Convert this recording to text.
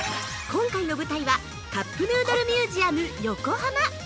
◆今回の舞台はカップヌードルミュージアム横浜。